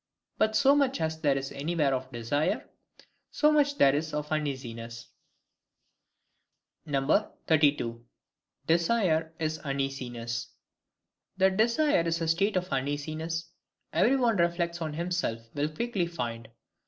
But so much as there is anywhere of desire, so much there is of uneasiness. 32. Desire is Uneasiness. That desire is a state of uneasiness, every one who reflects on himself will quickly find.